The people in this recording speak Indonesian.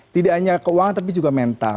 tidak hanya keuangan tapi juga mental